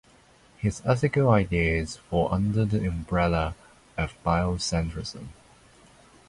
His ethical ideas fall under the umbrella of biocentrism.